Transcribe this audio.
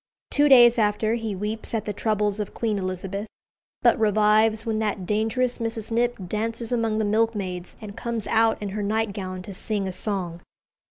Two days after he weeps at the troubles of Queen Elizabeth, but revives when that dangerous Mrs. Knipp dances among the milkmaids, and comes out in her nightgown to sing a song.